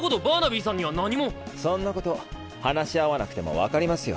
そんなこと話し合わなくても分かりますよ。